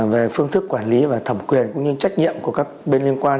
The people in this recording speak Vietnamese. về phương thức quản lý và thẩm quyền cũng như trách nhiệm của các bên liên quan